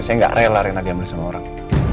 saya nggak rela reina diam diam sama orang